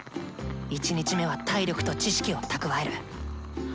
１日目は体力と知識を蓄える！